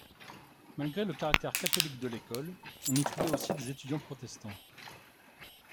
Malgré le caractère catholique de l'école on y trouvait aussi des étudiants protestants.